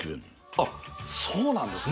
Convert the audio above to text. あっそうなんですか。